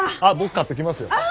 あっ僕買ってきますよ。